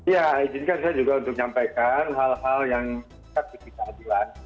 ya izinkan saya juga untuk menyampaikan hal hal yang terkait keadilan